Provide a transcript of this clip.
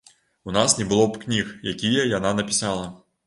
У нас не было б кніг, якія яна напісала.